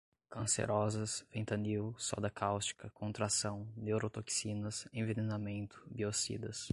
cancerosas, fentanil, soda cáustica, contração, neurotoxinas, envenenamento, biocidas